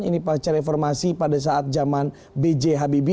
ini pacar reformasi pada zaman b j habibie